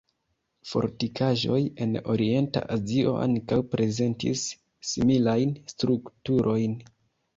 Fortikaĵoj en Orienta Azio ankaŭ prezentis similajn strukturojn.